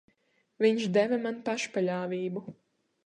Viņš deva man pašpaļāvību.